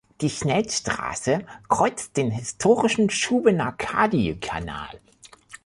Die Schnellstraße kreuzt den historischen Shubenacadie-Kanal.